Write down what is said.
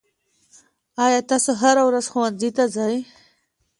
آیا تاسې هره ورځ ښوونځي ته ځئ؟